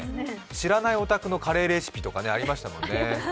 知らないお宅のカレーレシピとかありましたもんね。